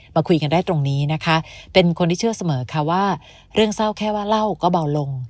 มาคุยกันได้ตรงนี้นะคะเป็นคนที่เชื่อเสมอค่ะว่าเรื่องเศร้าแค่ว่าเล่าก็เบาลง